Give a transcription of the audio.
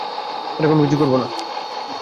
এরকম কিছু করব না।